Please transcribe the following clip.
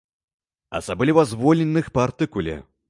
Асабліва звольненых па артыкуле.